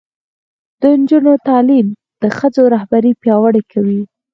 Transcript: د نجونو تعلیم د ښځو رهبري پیاوړې کوي.